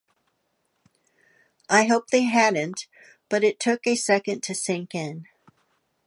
I hoped they hadn't, but it took a second to sink in.